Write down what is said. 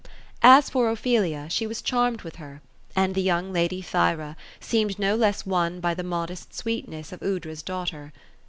As for Ophelia, she was charmed with her ; and the young lady Thyra, seemed no less won by the modest sweetness of Aoudra's daughter.